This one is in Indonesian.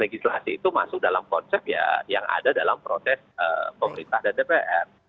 legislasi itu masuk dalam konsep yang ada dalam proses pemerintah dan dpr